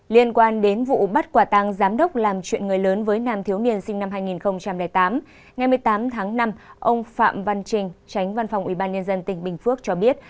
liên quan đến vụ bắt quả tàng giám đốc làm chuyện người lớn với nam thiếu niên sinh năm hai nghìn tám ngày một mươi tám tháng năm ông phạm văn trinh tránh văn phòng ủy ban nhân dân tỉnh bình phước cho biết